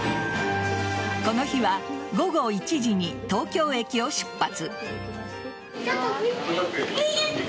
この日は午後１時に東京駅を出発。